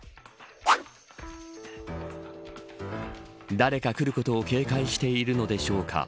誰か来ることを警戒しているのでしょうか